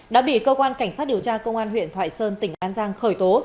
đã bị cơ quan cảnh sát điều tra công an huyện thoại sơn tỉnh an giang khởi tố